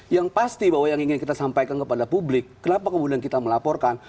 yang pasti bahwa yang ingin kita sampaikan kepada publik kenapa kemudian kita melaporkan